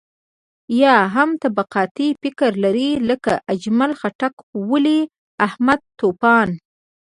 يا هم طبقاتي فکر لري لکه اجمل خټک، ولي محمد طوفان.